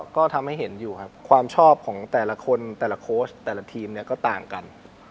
ก็ทำให้เห็นอยู่ครับความชอบของแต่ละคนและตาละทีมก็ต่างกัน